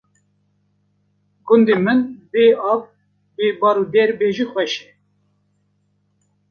gundê min bê av, bê dar û ber be jî xweş e